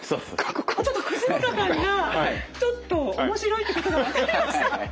ちょっと越塚さんがちょっと面白いってことが分かりました。